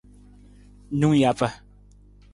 Nung japa.